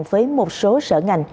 với một số sở ngành